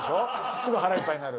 すぐ腹いっぱいになる。